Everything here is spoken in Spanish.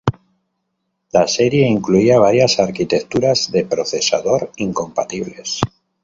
La serie incluía varias arquitecturas de procesador incompatibles.